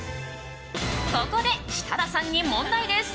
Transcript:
ここで、設楽さんに問題です。